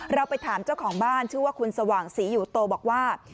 เราไปถามเจ้าของบ้านชื่อว่าคุณสว่างศรีอยู่โตบอกว่า